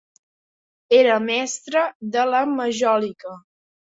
Era mestre de la majòlica.